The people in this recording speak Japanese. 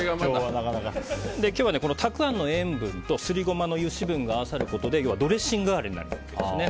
今日は、たくあんの塩分とすりゴマの油脂分が合わさることでドレッシング代わりになるんですね。